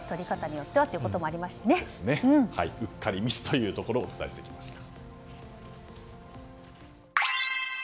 うっかりミスというところをお伝えしました。